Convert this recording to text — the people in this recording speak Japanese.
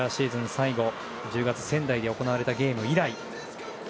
最後１０月、仙台で行われたゲーム以来。